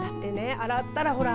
洗ったらほら。